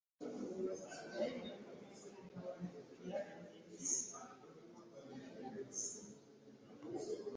Kya mugaso nnyo okulunda ebisolo nga bikwataganan’ennimiro.